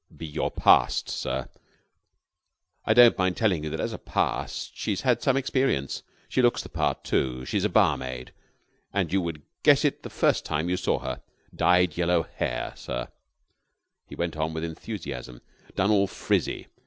"Be your 'Past,' sir. I don't mind telling you that as a 'Past' she's had some experience; looks the part, too. She's a barmaid, and you would guess it the first time you saw her. Dyed yellow hair, sir," he went on with enthusiasm, "done all frizzy.